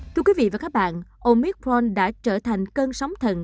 thưa quý vị và các bạn omicron đã trở thành cơn sóng thần